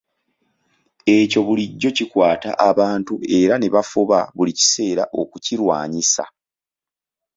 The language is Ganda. Ekyo bulijjo kikwata abantu era ne bafuba buli kiseera okukirwanyisa.